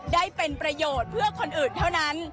ได้เป็นประโยชน์เพื่อคนอื่นเท่านั้น